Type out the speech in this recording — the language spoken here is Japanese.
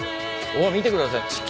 見てください